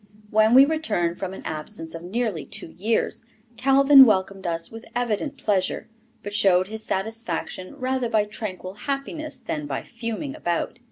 When we returned from an absence of nearly two years, Calvin welcomed us with evident pleasure, but showed his satisfaction rather by tranquil happiness than by fuming about.